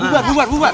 buat buat buat